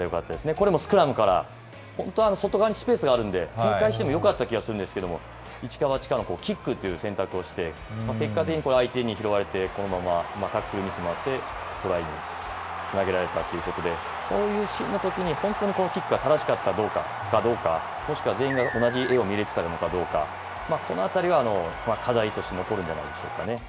これもスクラムから、本当は外側にスペースがあるんで、展開してもよかった気がするんですけれども、一か八かのキックという選択をして、結果的に相手に拾われてこのままタックルミスもあって、トライにつなげられたということで、こういうシーンのときに本当にこのキックが正しかったかどうか、もしくは全員が同じ絵を見れてたのかどうか、このあたりは課題として残るんじゃないでしょうかね。